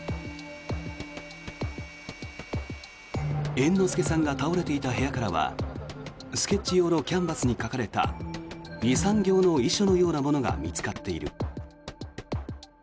猿之助さんが倒れていた部屋からはスケッチ用のキャンバスに書かれた２３行の遺書のようなものが見つかっている。